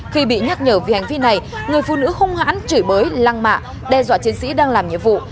khi bị nhắc nhở vì hành vi này người phụ nữ hung hãn chửi bới lăng mạ đe dọa chiến sĩ đang làm nhiệm vụ